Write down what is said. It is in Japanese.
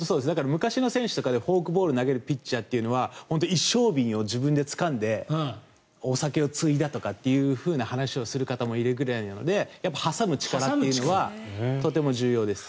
昔の選手とかでフォークボールを投げるピッチャーというのは一升瓶を自分でつかんでお酒を注いだとかって話をする方もいるくらいなので挟む力というのはとても重要です。